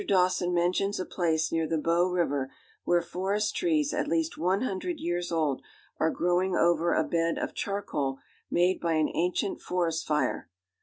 Dawson mentions a place near the Bow River where forest trees at least one hundred years old are growing over a bed of charcoal made by an ancient forest fire.